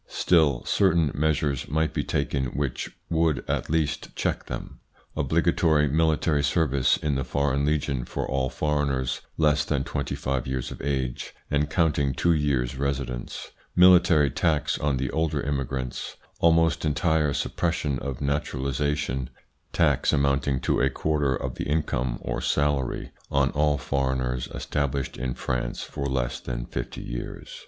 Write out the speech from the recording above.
Still, certain measures might be taken which would at least check them : obligatory military service in the Foreign Legion for all foreigners less than twenty five years of age and counting two years' residence ; military tax on the older immigrants ; almost entire suppression of naturalisa tion ; tax amounting to a quarter of the income or salary on all foreigners established in France for less than fifty years.